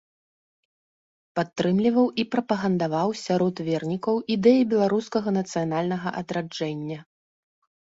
Падтрымліваў і прапагандаваў сярод вернікаў ідэі беларускага нацыянальнага адраджэння.